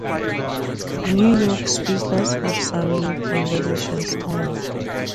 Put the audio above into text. New York speakers have some unique conversational styles.